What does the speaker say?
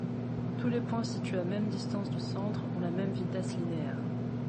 Tous les points situés à même distance du centre ont la même vitesse linéaire.